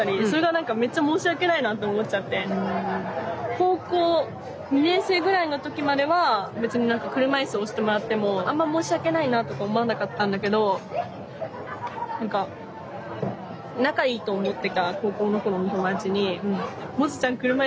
高校２年生ぐらいの時までは別に何か車いす押してもらってもあんま申し訳ないなとか思わなかったんだけど何か私的には何て言うんだろうな。